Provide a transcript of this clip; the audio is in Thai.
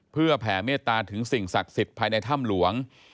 เพื่อแผ่เมตตาถึงสิ่งศักดิ์สิทธิ์ภายในถ้ำหลวง